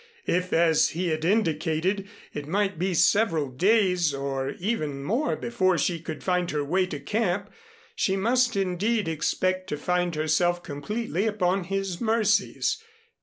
If, as he had indicated, it might be several days or even more before she could find her way to camp, she must indeed expect to find herself completely upon his mercies.